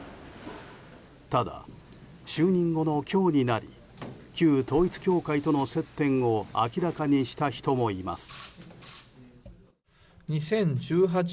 ただ、就任後の今日に旧統一教会との接点を明らかにした人もいます。